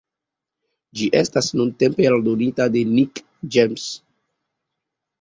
Ĝi estas nuntempe eldonita de Nick James.